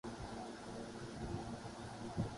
سواے حسرتِ تعمیر‘ گھر میں خاک نہیں